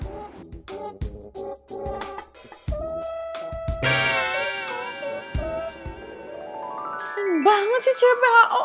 kesan banget sih cewek epho